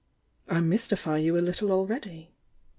"I mystify you a little already!"